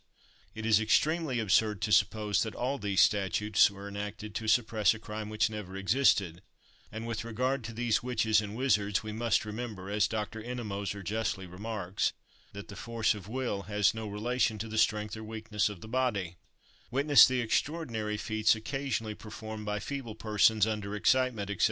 It is extremely absurd to suppose that all these statutes were enacted to suppress a crime which never existed: and, with regard to these witches and wizards, we must remember, as Dr. Ennemoser justly remarks, that the force of will has no relation to the strength or weakness of the body: witness the extraordinary feats occasionally performed by feeble persons under excitement, &c.